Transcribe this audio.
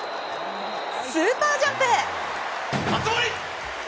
スーパージャンプ！